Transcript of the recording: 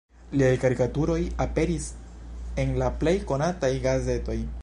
Liaj karikaturoj aperis en la plej konataj gazetoj.